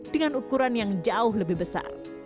dengan ukuran yang jauh lebih besar